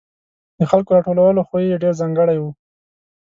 د خلکو راټولولو خوی یې ډېر ځانګړی و.